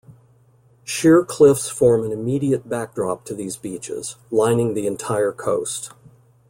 Sheer cliffs form an immediate backdrop to these beaches, lining the entire coast.